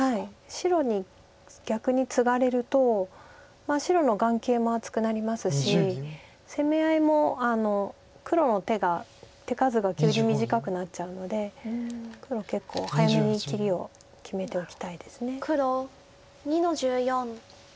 白に逆にツガれると白の眼形も厚くなりますし攻め合いも黒の手が手数が急に短くなっちゃうので黒結構早めに切りを決めておきたいです。